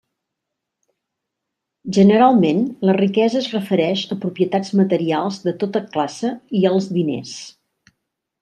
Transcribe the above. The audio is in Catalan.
Generalment, la riquesa es refereix a propietats materials de tota classe i als diners.